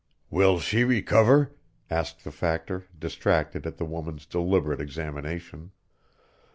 "Will she recover?" asked the Factor, distracted at the woman's deliberate examination.